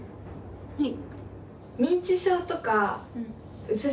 はい。